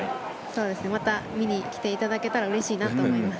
また見に来ていただけたらうれしいなと思います。